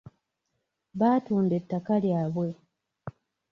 Baatunda ettaka lyabwe.